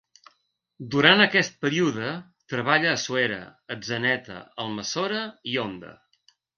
Durant aquest període treballa a Suera, Atzeneta, Almassora i Onda.